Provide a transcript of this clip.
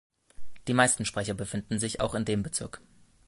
Die meisten Sprecher finden sich auch in dem Bezirk.